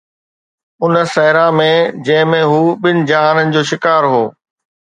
ان صحرا ۾ جنهن ۾ هو ٻن جهانن جو شڪار هو